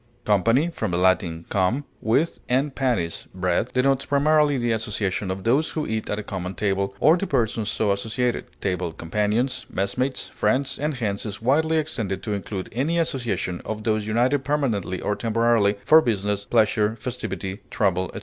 Company, from the Latin cum, with, and panis, bread, denotes primarily the association of those who eat at a common table, or the persons so associated, table companions, messmates, friends, and hence is widely extended to include any association of those united permanently or temporarily, for business, pleasure, festivity, travel, etc.